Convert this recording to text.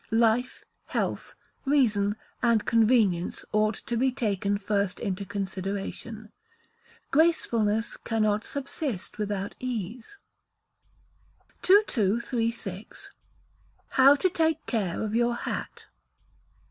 Life, health, reason, and convenience ought to be taken first into consideration. Gracefulness cannot subsist without ease. 2236. How to take care of your Hat.